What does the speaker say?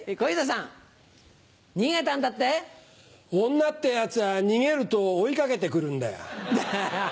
女ってやつは逃げると追い掛けて来るんだよ。